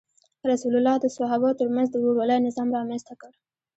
رسول الله د صحابه وو تر منځ د ورورولۍ نظام رامنځته کړ.